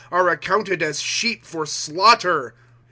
Are accounted as sheep for slaughter.